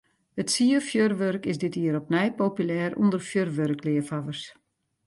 It sierfjurwurk is dit jier opnij populêr ûnder fjurwurkleafhawwers.